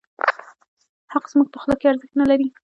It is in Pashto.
حق زموږ په خوله کې ارزښت نه لري.